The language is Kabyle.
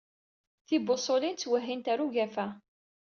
Tibuṣulin ttwehhint ɣer ugafa.